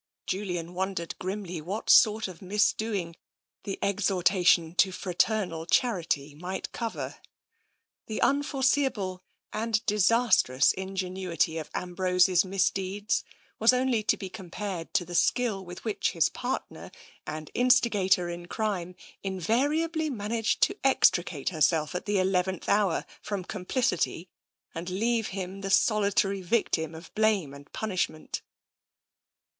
Julian wondered grimly what story of misdoing the exhortation to fraternal charity might cover. The unforeseeable and disastrous ingenuity of Ambrose's misdeeds was only to be compared to the skill with which his partner and instigator in crime invariably managed to extricate herself at the eleventh hour from complicity and leave him the solitary victim of blame and punishment.